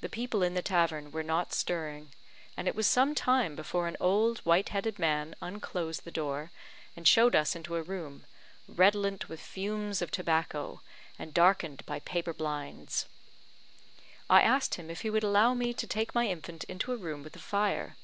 The people in the tavern were not stirring, and it was some time before an old white headed man unclosed the door, and showed us into a room, redolent with fumes of tobacco, and darkened by paper blinds. I asked him if he would allow me to take my infant into a room with a fire.